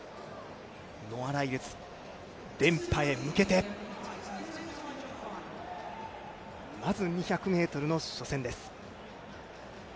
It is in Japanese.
ノア・ライルズ、連覇へ向けて、まず２００ｍの初戦です。